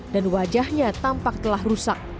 dan wajahnya tampak telah berubah